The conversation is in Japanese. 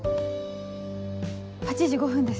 ８時５分です。